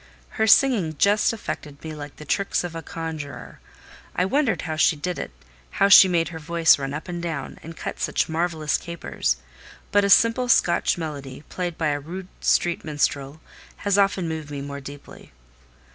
Her singing just affected me like the tricks of a conjuror: I wondered how she did it—how she made her voice run up and down, and cut such marvellous capers; but a simple Scotch melody, played by a rude street minstrel, has often moved me more deeply.